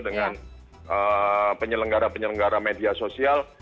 dengan penyelenggara penyelenggara media sosial